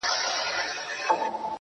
د مودو ستړي پر وجود بـانـدي خـولـه راځي.